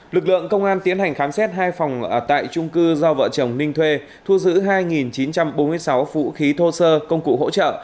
lực lượng công an tiến hành khám xét hai phòng tại trung cư do vợ chồng ninh thuê thu giữ hai chín trăm bốn mươi sáu vũ khí thô sơ công cụ hỗ trợ